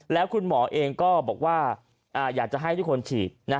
แล้วคุณหมอเองก็บอกว่าอยากจะให้ทุกคนฉีด